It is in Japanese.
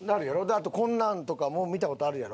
あとこんなんとかも見た事あるやろ。